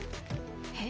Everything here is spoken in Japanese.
えっ？